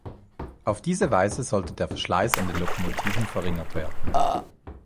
Auf diese Weise sollte der Verschleiß an den Lokomotiven verringert werden.